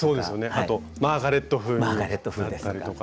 あとマーガレット風になったりとか。